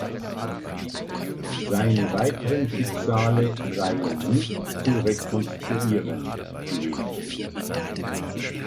Seine weiteren Schicksale seien nicht zu rekonstruieren gewesen.